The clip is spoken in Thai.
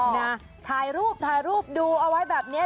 นะถ่ายรูปดูเอาไว้แบบนี้แหละ